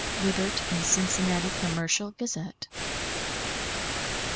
_Lebert, in Cincinnati Commercial Gazette.